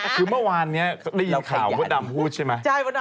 คือมะวานนี้ได้ยินข่าวพะดำพูดใช่มะ